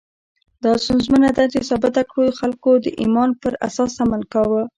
دا ستونزمنه ده چې ثابته کړو خلکو د ایمان پر اساس عمل کاوه.